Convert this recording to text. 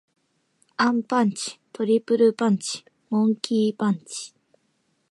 アンパンチ。トリプルパンチ。モンキー・パンチ。